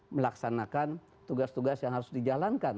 melaksanakan tugas tugas yang harus dijalankan